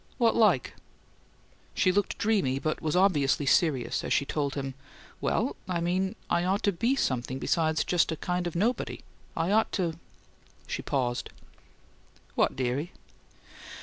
"What like?" She looked dreamy, but was obviously serious as she told him: "Well, I mean I ought to be something besides just a kind of nobody. I ought to " She paused. "What, dearie?"